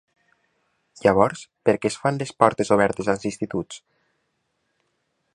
Llavors per què es fan les portes obertes als instituts?